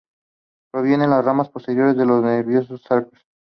Provienen de las ramas posteriores de los nervios sacros.